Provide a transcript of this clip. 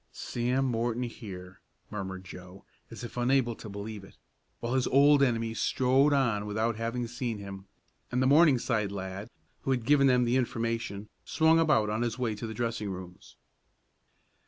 "Sam Morton here," murmured Joe, as if unable to believe it, while his old enemy strode on without having seen him, and the Morningside lad, who had given them the information swung about on his way to the dressing rooms.